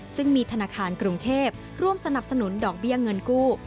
ซึ่งมีธนาคารกรุงเทพร่วมสนับสนุนดอกเบี้ยเงินกู้